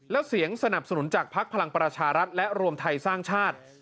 และเสียงสนับสนุนจากภักดิ์พลังประชารัฐและรวมไทยสร้างชาติ